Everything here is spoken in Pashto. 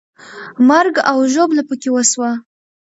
مرګ او ژوبله پکې وسوه.